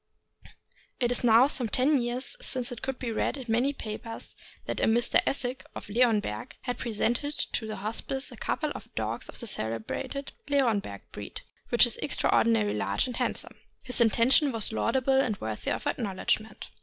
It is now some ten years since it could be read in many of the papers that a Mr. Essig, of Leonberg, had presented to the Hospice a couple of dogs of the celebrated Leonberg breed, which is extraordinarily large and handsome. His intention was laudable and worthy of acknowledgment.